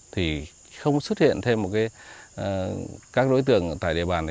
thì không xuất hiện thêm một các đối tượng tại địa bàn